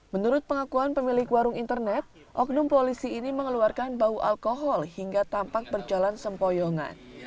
menurut pengakuan pemilik warung internet oknum polisi ini mengeluarkan bau alkohol hingga tampak berjalan sempoyongan